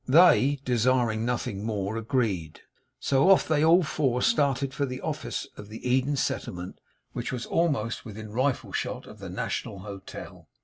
They, desiring nothing more, agreed; so off they all four started for the office of the Eden Settlement, which was almost within rifle shot of the National Hotel.